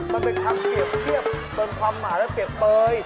มันเป็นคำเกียบตนความหมาและเกียบเบย